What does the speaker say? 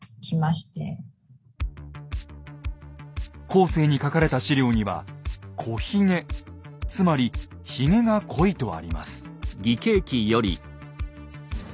後世に書かれた資料には「こひげ」つまりひげが濃いとあります。